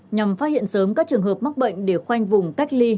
nhằm phát hiện sớm các trường hợp mắc bệnh để khoanh vùng cách ly